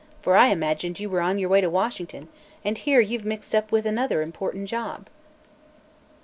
For I imagined you were on your way to Washington, and here you've mixed up with another important job!"